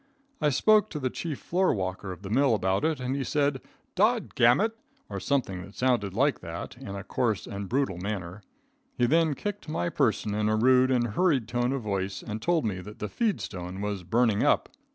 I spoke to the chief floor walker of the mill about it, and he said "dod gammit" or something that sounded like that, in a course and brutal manner. He then kicked my person in a rude and hurried tone of voice, and told me that the feed stone was burning up.